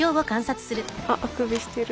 あっあくびしてる。